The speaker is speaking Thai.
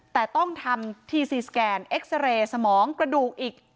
แต่ต้องทำทีซีสแกนเอ็กซาเรย์สมองกระดูกอีก